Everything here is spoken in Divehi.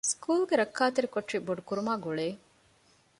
ސްކޫލުގެ ރައްކާތެރި ކޮޓަރި ބޮޑުކުރުމާއި ގުޅޭ